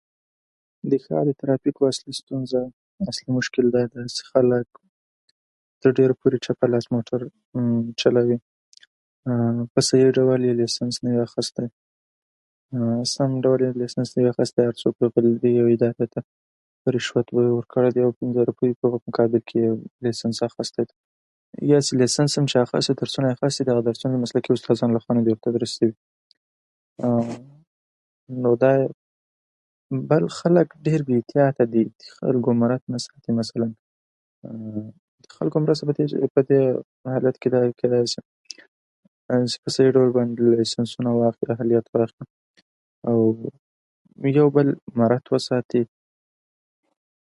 د ښار د ترافیکو اصلي ستونزه، اصلي مشکل دا ده چې خلک تر ډېره پورې چپه لاس موټر چلوي. په صحیح ډول یې لایسنس نه وي اخیستی، او سم ډول یې لایسنس نه وي اخیستی. او هر څوک [unintelligible] رشوت ورکول، او د هغه په مقابل کې لایسنس اخیستل. یوازې لایسنس یې چې اخیستی، درسونه د مسلکي استادانو له لورې نه دي ورته تدریس شوي. نو دا ډېر خلک ډېر بې احتیاطه دي، د خلکو مراعت نه ساتي. مثلاً د خلکو مرسته په دې حالت دا وي، کېدای شي چې په سهي ډول لایسنسونه واخلي، اهلیت یې ولري او یو بل مراعت وساتي.